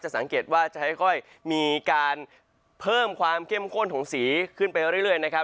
สังเกตว่าจะค่อยมีการเพิ่มความเข้มข้นของสีขึ้นไปเรื่อยนะครับ